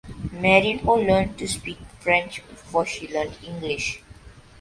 Marinho learned to speak French before she learned English.